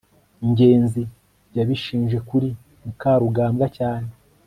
ngenzi yabishinje kuri mukarugambwa cyane